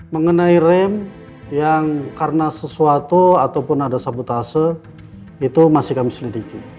mengenai rem yang karena sesuatu ataupun ada sabotase itu masih kami selidiki